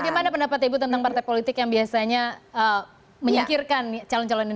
bagaimana pendapat ibu tentang partai politik yang biasanya menyingkirkan calon calon ini